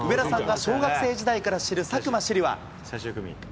上田さんが小学生時代から知る佐久間朱莉は。